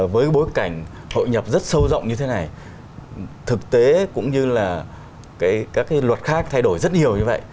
với bối cảnh hội nhập rất sâu rộng như thế này thực tế cũng như là các cái luật khác thay đổi rất nhiều như vậy